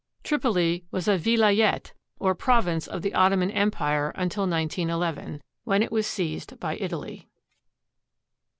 Tripoli was a \dlayet or province of the Ottoman Empire until 1911, when it was seized by Italy.